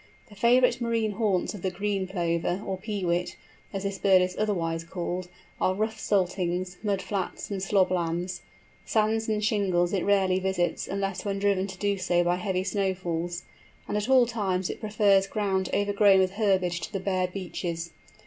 The favourite marine haunts of the "Green Plover," or Peewit, as this bird is otherwise called, are rough saltings, mud flats, and slob lands; sands and shingles it rarely visits unless when driven to do so by heavy snowfalls; and at all times it prefers ground overgrown with herbage to the bare beaches.